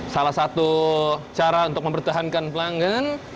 salah satu cara untuk mempertahankan pelanggan